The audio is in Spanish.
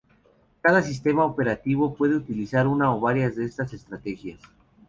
Cada sistema operativo puede utilizar una o varias de estas estrategias.